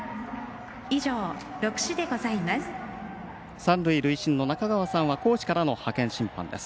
三塁塁審の中川さんは高知からの派遣審判です。